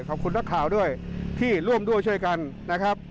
ขอบคุณนักข่าวด้วยที่ร่วมด้วยช่วยกันนะครับ